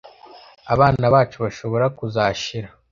abana bacu bashobora kuzashira